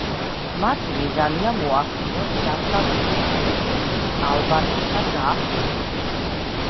მათი მიზანია მოახდინონ დასავლეთი მაკედონიის ალბანეთთან დაახლოება.